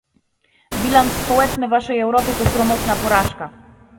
Bilans społeczny waszej Europy to sromotna porażka